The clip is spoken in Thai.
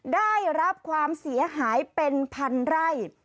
ได้รับความเสียหายเป็นพันไร่